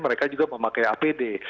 mereka juga memakai apd